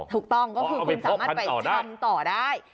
ถูกต้องก็คือคุณสามารถไปทำต่อได้